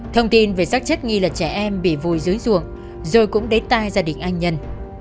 thông tin về sắc chất nghi là trẻ em bị vùi dưới ruộng rồi cũng đế tai gia đình anh nhân